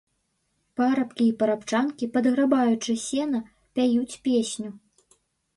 Парабкі і парабчанкі, падграбаючы сена, пяюць песню.